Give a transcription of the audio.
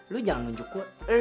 lu jangan ngujuk gue